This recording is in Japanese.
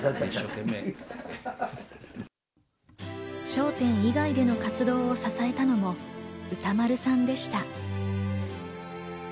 『笑点』以外での活動を支えたのも歌丸さんでした。